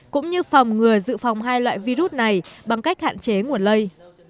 cũng như phòng ngừa dự phòng hai loại virus này bằng cách hạn chế nguồn lây